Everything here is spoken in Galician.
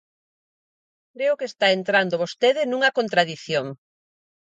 Creo que está entrando vostede nunha contradición.